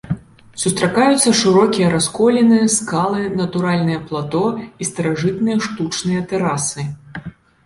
Сустракаюцца шырокія расколіны, скалы, натуральныя плато і старажытныя штучныя тэрасы.